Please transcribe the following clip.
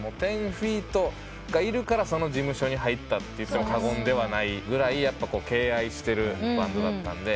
１０−ＦＥＥＴがいるからその事務所に入ったと言っても過言ではないぐらい敬愛してるバンドだったんで。